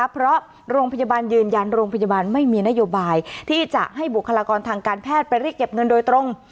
เพราะโรงพยาบาลยืนยันโรงพยาบาลไม่มีนโยบายที่จะให้บุคลากรทางการแพทย์ไปเรียกเก็บเงินโดยตรง